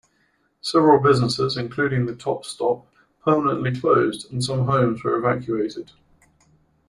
Several businesses, including the Top Stop, permanently closed, and some homes were evacuated.